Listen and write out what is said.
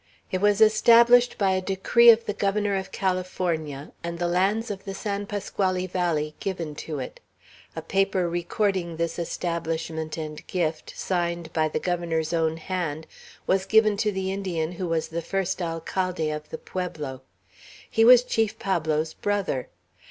It was established by a decree of the Governor of California, and the lands of the San Pasquale Valley given to it. A paper recording this establishment and gift, signed by the Governor's own hand, was given to the Indian who was the first Alcalde of the pueblo. He was Chief Pablo's brother.